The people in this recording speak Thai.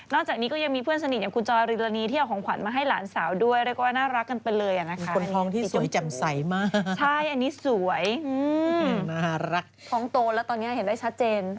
ต้องโตแล้วตอนนี้เห็นได้ชัดเจน